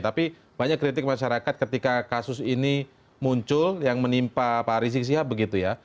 tapi banyak kritik masyarakat ketika kasus ini muncul yang menimpa pak rizik sihab begitu ya